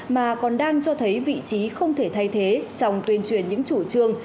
mà còn đang cho thấy vị trí không thể thay thế trong tuyên truyền những chủ trương